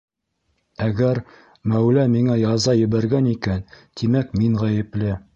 Әгәр мәүлә миңә яза ебәргән икән, тимәк, мин ғәйепле.